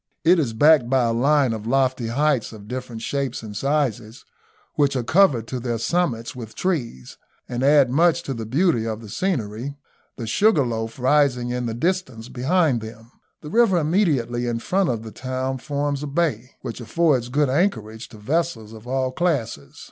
It is backed by a line of lofty heights of different shapes and sizes, which are covered to their summits with trees, and add much to the beauty of the scenery, the Sugarloaf rising in the distance behind them. The river immediately in front of the town forms a bay, which affords good anchorage to vessels of all classes.